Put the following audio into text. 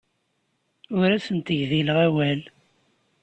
Ur asent-gdileɣ awal.